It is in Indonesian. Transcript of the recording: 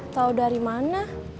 tau dari mana